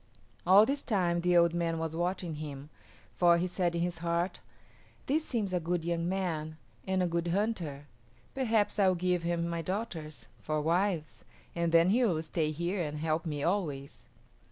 All this time the old man was watching him, for he said in his heart, "This seems a good young man and a good hunter. Perhaps I will give him my daughters for wives, and then he will stay here and help me always."